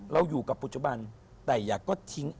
เราอยู่กับปัจจุบันแต่อย่าก็ทิ้ง